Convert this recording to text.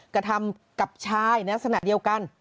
กระทำกับชายในลักษณะเดียวกัน